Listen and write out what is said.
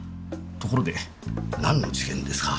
ところでなんの事件ですか？